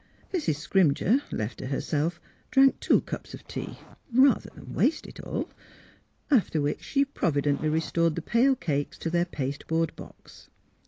Mrs. Scrimger, left to herself, drank two cups of tea — rather than waste it all. After which she providently restored the pale cakes to their paste board box.